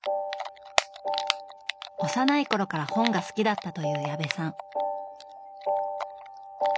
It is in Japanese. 幼い頃から本が好きだったという矢部さん。